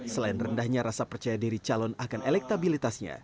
selain rendahnya rasa percaya diri calon akan elektabilitasnya